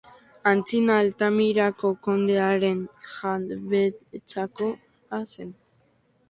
Antzina Altamirako kondearen jabetzakoa zen.